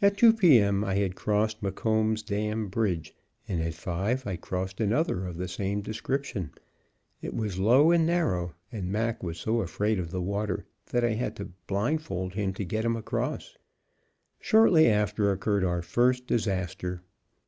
At 2 P. M. I had crossed McComb's Dam Bridge, and at five I crossed another of the same description. It was low and narrow, and Mac was so afraid of the water that I had to blindfold him to get him across. Shortly after occurred our first disaster.